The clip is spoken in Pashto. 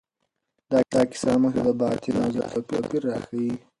دا کیسه موږ ته د باطن او ظاهر توپیر راښيي.